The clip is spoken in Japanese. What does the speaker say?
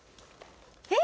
え！？